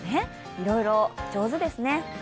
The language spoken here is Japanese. いろいろ上手ですね。